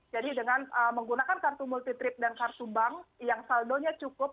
jadi dengan menggunakan kartu multi trip dan kartu bank yang saldonya cukup